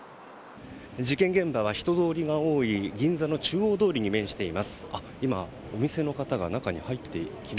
事件現場は人通りが多い銀座の中央通りに面しています。